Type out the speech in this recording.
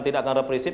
tidak akan reprisip